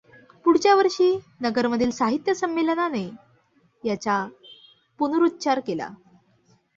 पुढच्या वषीर् नगरमधील साहित्य संमेलनाने त्याचा पुनरुच्चार केला.